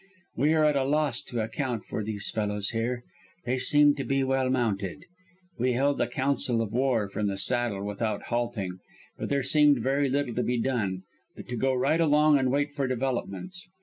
We are at a loss to account for these fellows here. They seem to be well mounted. "We held a council of war from the saddle without halting, but there seemed very little to be done but to go right along and wait for developments.